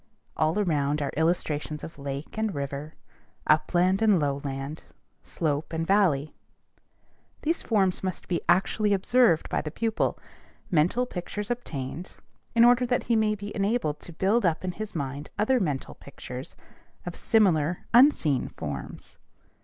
All around are illustrations of lake and river, upland and lowland, slope and valley. These forms must be actually observed by the pupil, mental pictures obtained, in order that he may be enabled to build up in his mind other mental pictures of similar unseen forms.